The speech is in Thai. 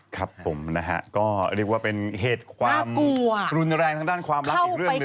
ครับผมนะฮะก็เรียกว่าเป็นเหตุความรุนแรงทางด้านความรักอีกเรื่องหนึ่ง